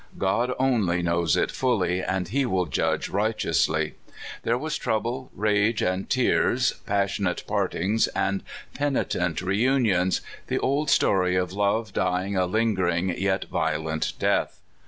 God only knows it fully, and he will judge righteously. There was trouble, rage, and tears, passionate partings and penitent reunions the old story of love dying a lingering yet violent death.